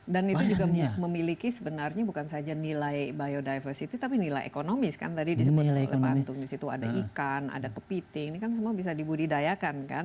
dan itu juga memiliki sebenarnya bukan saja nilai biodiversity tapi nilai ekonomis kan tadi disebut pak antung disitu ada ikan ada kepiting ini kan semua bisa dibudidayakan kan